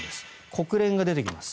国連が出てきます。